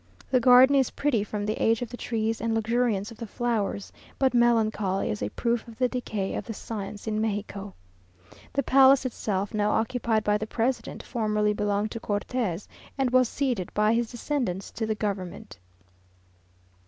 The garden is pretty from the age of the trees, and luxuriance of the flowers, but melancholy as a proof of the decay of the science in Mexico. The palace itself, now occupied by the president, formerly belonged to Cortes, and was ceded by his descendants to the government.